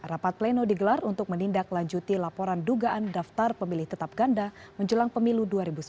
rapat pleno digelar untuk menindaklanjuti laporan dugaan daftar pemilih tetap ganda menjelang pemilu dua ribu sembilan belas